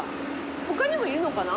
他にもいるのかな？